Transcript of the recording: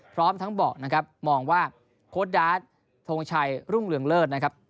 พร้อมทั้งบอกนะครับมองว่าโค้ดดาร์ดทงชัยรุ่งเรืองเลิศนะครับ